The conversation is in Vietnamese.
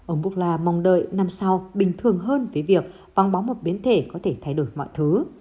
ông bukla mong đợi năm sau bình thường hơn với việc băng bóng một biến thể có thể thay đổi mọi thứ